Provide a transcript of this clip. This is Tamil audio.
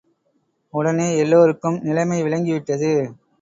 உடனே எல்லாருக்கும் நிலைமை விளங்கிவிட்டது.